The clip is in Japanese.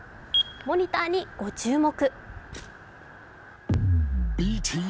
モニターにご注目。